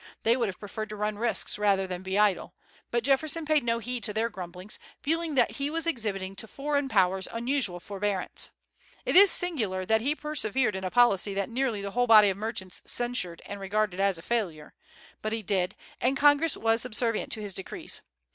They would have preferred to run risks rather than be idle. But Jefferson paid no heed to their grumblings, feeling that he was exhibiting to foreign powers unusual forbearance. It is singular that he persevered in a policy that nearly the whole body of merchants censured and regarded as a failure; but he did, and Congress was subservient to his decrees.